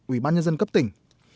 ủy ban nhân dân cấp tỉnh